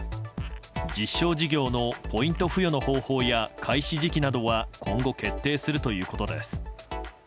実証事業のポイン付与の方法や開始時期などについては今後、決定するということです。